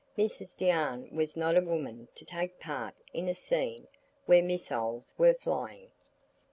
Mrs Deane was not a woman to take part in a scene where missiles were flying.